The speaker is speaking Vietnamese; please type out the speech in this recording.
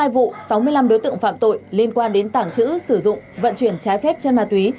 hai vụ sáu mươi năm đối tượng phạm tội liên quan đến tảng chữ sử dụng vận chuyển trái phép chân ma túy